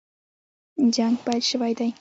جنګ پیل شوی دی.